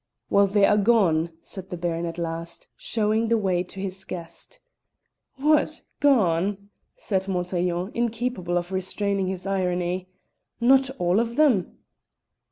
"Well, they are gone," said the Baron at last, showing the way to his guest. "What, gone!" said Montaiglon, incapable of restraining his irony. "Not all of them?"